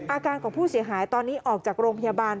อาการของผู้เสียหายตอนนี้ออกจากโรงพยาบาล